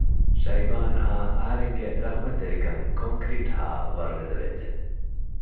ޝައިބާން އާ އަހަރެން ގެ ރަހުމަތް ތެރިކަން ކޮންކްރިޓް ހާ ވަރުގަދަ ވެއްޖެ